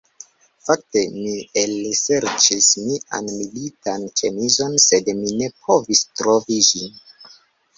Fakte, mi elserĉis mian militan ĉemizon sed mi ne povis trovi ĝin